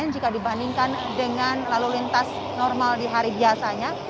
jika dibandingkan dengan lalu lintas normal di hari biasanya